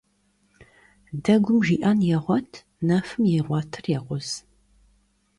Degum jji'en yêğuet, nefım yiğuetır yêkhuz.